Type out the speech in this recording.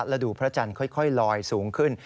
และดูพระจันทร์ค่อยลอยสูงขึ้น